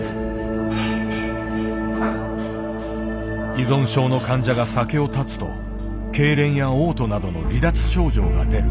依存症の患者が酒を断つとけいれんやおう吐などの離脱症状が出る。